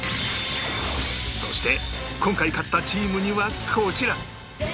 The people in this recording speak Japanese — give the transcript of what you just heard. そして今回勝ったチームにはこちら